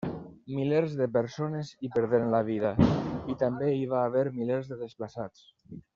Milers de persones hi perderen la vida i també hi va haver milers de desplaçats.